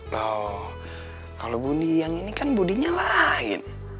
loh kalau budi yang ini kan budinya lain